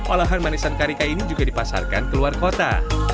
olahan manisan karika ini juga dipasarkan ke luar kota